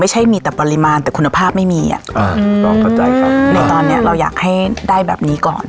ไม่ใช่มีแต่ปริมาณแต่คุณภาพไม่มีอ่ะอืมตอนนี้เราอยากให้ได้แบบนี้ก่อน